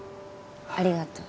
ありがとう。